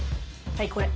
はいこれ。